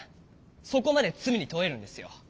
そこまで罪に問えるんですよ。